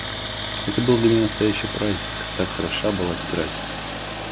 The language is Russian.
Это был для меня настоящий праздник, так хороша была тетрадь!